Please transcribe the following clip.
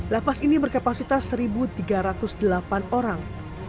lapas ini berkapasitas satu tiga ratus delapan orang